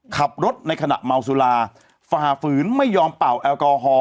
ขับรถในขณะเมาสุราฝ่าฝืนไม่ยอมเป่าแอลกอฮอล